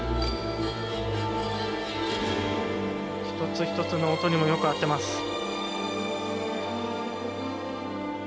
一つ一つの音にもよく合っています。